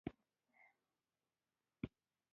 خو ځلمی صاحب کراچۍ ته ولاړ.